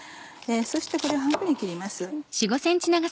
そしてこれを半分に切ります。